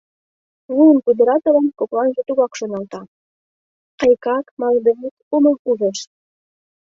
Вуйым пудыратылын, кокланже тугат шоналта: айыкак, малыдеак, омым ужеш.